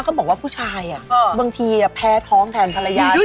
เขาบอกว่าผู้ชายบางทีแพ้ท้องแทนภรรยา